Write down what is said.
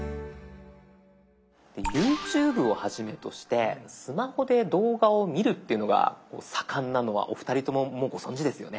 ＹｏｕＴｕｂｅをはじめとしてスマホで動画を見るっていうのが盛んなのはお二人とももうご存じですよね？